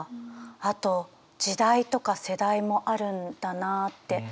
あと時代とか世代もあるんだなあって。